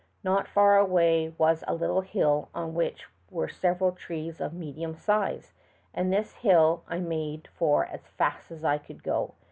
Not far away was a little hill on which were several trees of medium size, and this hill I made for as fast as I could go.